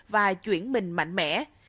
và chuyển mình mạnh mẽ